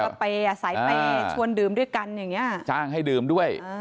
ก็ไปสายไปชวนดื่มด้วยกันจ้างให้ดื่มด้วย